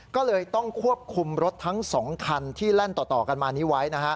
ก็เลยต้องควบคุมรถทั้ง๒คันที่แล่นต่อกันมานี้ไว้